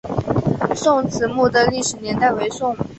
宋慈墓的历史年代为宋。